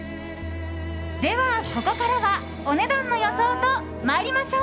では、ここからはお値段の予想と参りましょう。